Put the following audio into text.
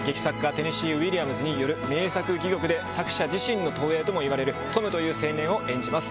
テネシー・ウィリアムズによる名作戯曲で作者自身の投影ともいわれるトムという青年を演じます。